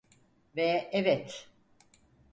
Ve evet.